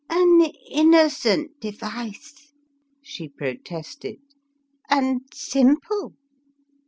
"An innocent device," she pro tested, M and simple."